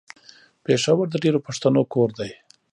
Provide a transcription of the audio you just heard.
پېښور د ډېرو پښتنو کور ده.